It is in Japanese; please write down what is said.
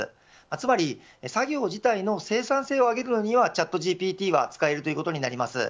つまり作業自体の生産性を上げるのにはチャットＧＰＴは使えるということになります。